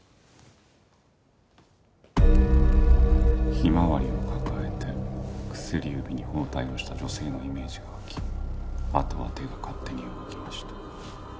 ひまわりを抱えて薬指に包帯をした女性のイメージが湧きあとは手が勝手に動きました。